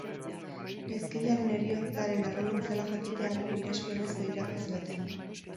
Gaizkilearen heriotzaren errudun zela jakitean, mirespenez begiratu zioten.